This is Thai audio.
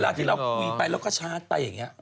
ที่เราคุยไปแล้วก็ชาร์จไปอย่างนี้